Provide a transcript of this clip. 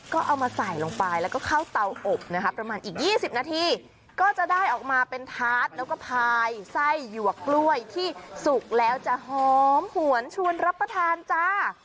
ก็เอามาใส่ลงไปแล้วก็เข้าเตาอบนะคะประมาณอีก๒๐นาทีก็จะได้ออกมาเป็นทาสแล้วก็พายไส้หยวกกล้วยที่สุกแล้วจะหอมหวนชวนรับประทานจ้า